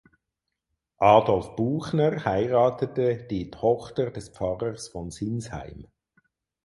Adolf Buchner heiratete die Tochter des Pfarrers von Sinsheim.